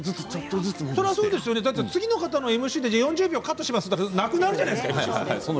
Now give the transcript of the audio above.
次の方のＭＣで４０秒カットしますと言ったらなくなるじゃないですか。